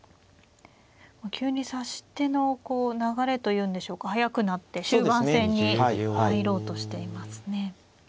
急に指し手のこう流れというんでしょうか速くなって終盤戦に入ろうとしていますね。